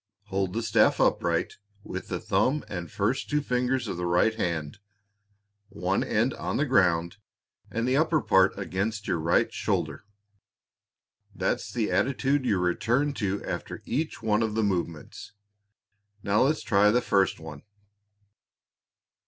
Hold the staff upright with the thumb and first two fingers of the right hand, one end on the ground and the upper part against your right shoulder. That's the attitude you return to after each one of the movements. Now let's try the first one."